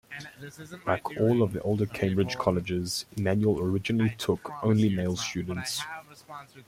Like all of the older Cambridge Colleges, Emmanuel originally took only male students.